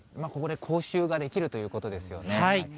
今、ここで講習ができるということですよね。